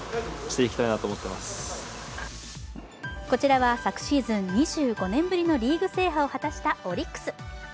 こちらは昨シーズン２５年ぶりのリーグ制覇を果たしたオリックス。